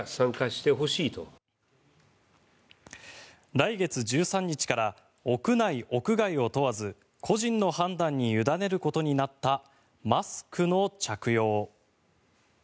来月１３日から屋内屋外を問わず個人の判断に委ねることになったマスクの着用。